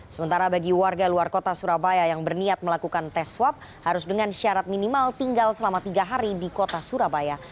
sementara bagi warga luar kota surabaya yang berniat melakukan tes swab harus dengan syarat minimal tinggal selama tiga hari di kota surabaya